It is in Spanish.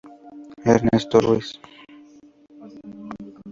Ernesto Ruiz.